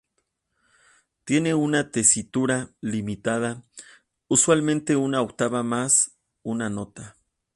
Tiene una tesitura limitada, usualmente una octava más una nota.